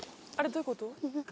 どういうこと？